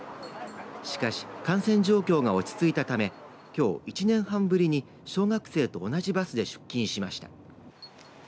しかし感染状況が落ち着いたためきょう１年半ぶりに小学生と同じバスで出勤しました。